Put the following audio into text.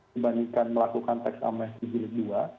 dibandingkan melakukan tax amnesty jilid ke dua